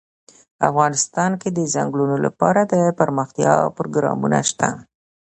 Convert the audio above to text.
افغانستان کې د ځنګلونه لپاره دپرمختیا پروګرامونه شته.